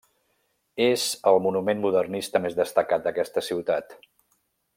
És el monument modernista més destacat d'aquesta ciutat.